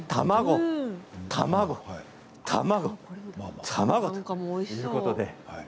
卵、卵、卵、ということで。